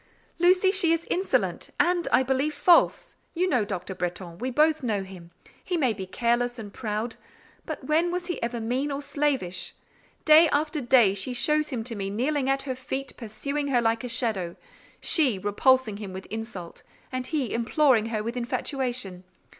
"Lucy, she is insolent; and, I believe, false. You know Dr. Bretton. We both know him. He may be careless and proud; but when was he ever mean or slavish? Day after day she shows him to me kneeling at her feet, pursuing her like her shadow. She—repulsing him with insult, and he imploring her with infatuation.